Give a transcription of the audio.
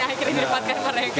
yang akhirnya didapatkan mereka